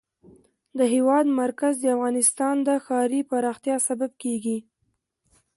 د هېواد مرکز د افغانستان د ښاري پراختیا سبب کېږي.